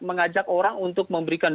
mengajak orang untuk memberikan